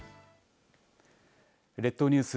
列島ニュース